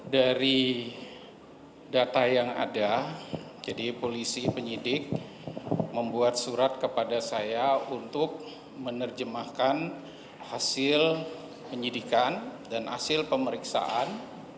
dari data yang ada jadi polisi penyidik membuat surat kepada saya untuk menerjemahkan hasil penyidikan dan hasil pemeriksaan